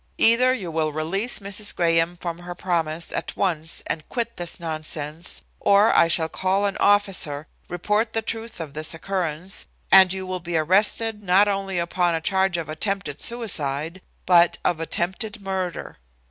Either you will release Mrs. Graham from her promise at once and quit this nonsense, or I shall call an officer, report the truth of this occurrence, and you will be arrested not only upon a charge of attempted suicide, but of attempted murder.